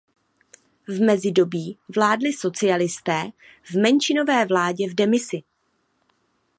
V mezidobí vládli socialisté v menšinové vládě v demisi.